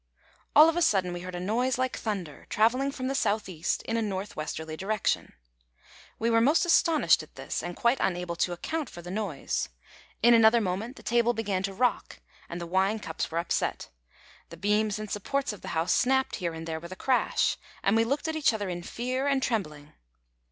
All of a sudden we heard a noise like thunder, travelling from the south east in a north westerly direction. We were much astonished at this, and quite unable to account for the noise; in another moment the table began to rock, and the wine cups were upset; the beams and supports of the house snapped here and there with a crash, and we looked at each other in fear and trembling.